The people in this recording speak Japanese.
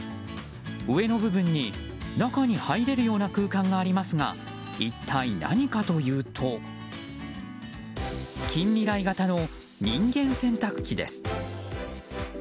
上の部分に中に入れるような空間がありますが一体何かというと近未来型の人間洗濯機です。